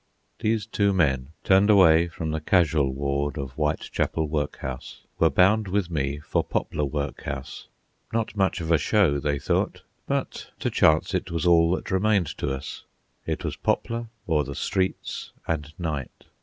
These two men, turned away from the casual ward of Whitechapel Workhouse, were bound with me for Poplar Workhouse. Not much of a show, they thought, but to chance it was all that remained to us. It was Poplar, or the streets and night.